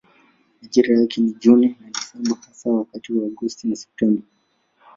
Majira yake ni Juni na Desemba hasa wakati wa Agosti na Septemba.